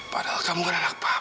padahal kamu kan anak papa